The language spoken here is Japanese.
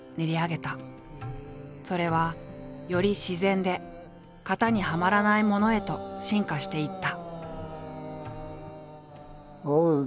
それはより自然で型にはまらないものへと進化していった。